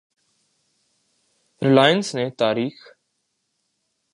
Reliance نے تاریخ